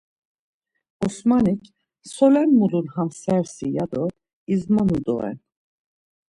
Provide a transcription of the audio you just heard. Osmanik “Solen mulun ham sersi” ya do izmonu doren.